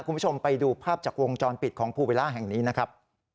คุณผู้ชมไปดูภาพจากวงจรปิดของภูวิลล่าแห่งนี้นะครับ